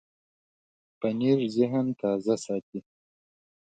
پنېر د ذهن تازه ساتي.